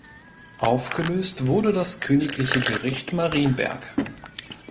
Aufgelöst wurde das Königliche Gericht Marienberg.